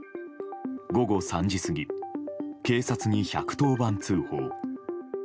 午後３時過ぎ警察に１１０番通報。